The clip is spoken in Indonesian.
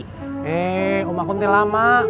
hei umah aku nanti lama